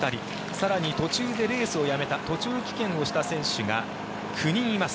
更に途中でレースをやめた途中棄権をした選手が９人います。